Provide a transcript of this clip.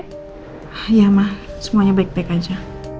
iya ma semuanya baik baik aja